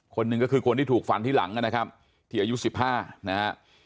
คนหนึ่งก็คือคนที่ถูกฟันที่หลังนะครับที่อายุ๑๕นะฮะ